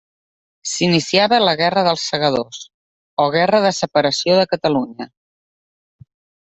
S'iniciava la Guerra dels Segadors o Guerra de Separació de Catalunya.